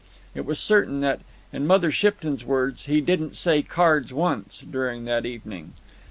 It was certain that, in Mother Shipton's words, he "didn't say cards once" during that evening.